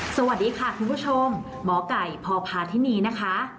สวัสดีค่ะคุณผู้ชมหมอไก่พพาธินีนะคะ